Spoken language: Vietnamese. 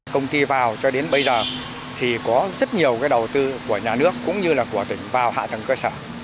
công ty vào cho đến bây giờ thì có rất nhiều cái đầu tư của nhà nước cũng như là của tỉnh vào hạ tầng cơ sở